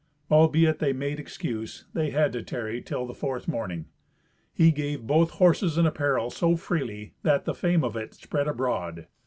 Albeit they made excuse, they had to tarry till the fourth morning. He gave both horses and apparel so freely, that the fame of it spread abroad.